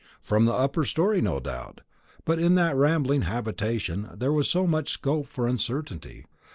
From the upper story no doubt, but in that rambling habitation there was so much scope for uncertainty.